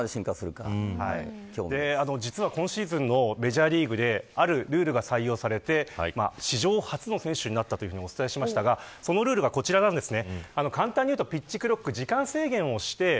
今シーズンのメジャーリーグであるルールが採用されて史上初の選手になったというのをお伝えしましたがそのルールがこちらです。